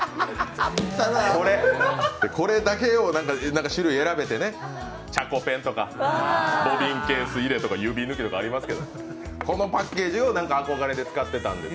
これだけを種類選べて、チャコペンとかボビンケース入れとか指ぬきとかありますけどこのパッケージを憧れで使ってたんです。